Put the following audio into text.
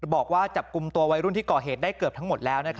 บอกว่าจับกลุ่มตัววัยรุ่นที่ก่อเหตุได้เกือบทั้งหมดแล้ว